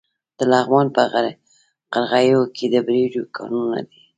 د لغمان په قرغیو کې د بیروج کانونه دي.